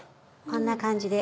こんな感じで。